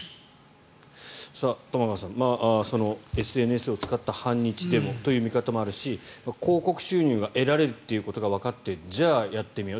玉川さん、ＳＮＳを使った反日デモという見方もあるし広告収入が得られるということがわかってじゃあやってみよう。